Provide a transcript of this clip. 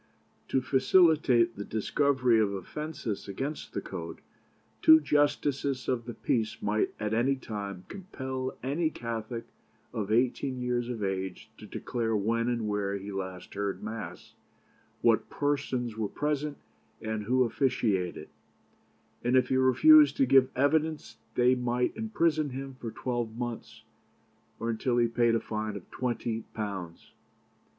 To facilitate the discovery of offences against the code, two justices of the peace might at any time compel any Catholic of eighteen years of age to declare when and where he last heard Mass, what persons were present, and who officiated; and if he refused to give evidence they might imprison him for twelve months, or until he paid a fine of twenty pounds.